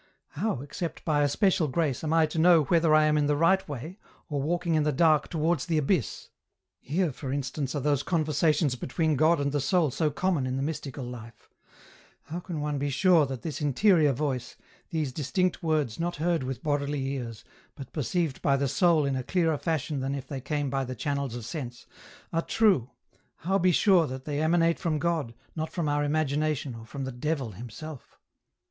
How, except by a special grace, am I to know whether I am in the right way, or walking SS EN ROUTE. in the dark towards the abyss ? Here, for instance, are those conversations between God and the soul so common in the mystical life ; how can one be sure that this interior voice, these distinct words not heard with bodily ears, but perceived by the soul in a clearer fashion than if they came by the channels of sense, are true, how be sure that they emanate from God, not from our imagination or from the devil himself?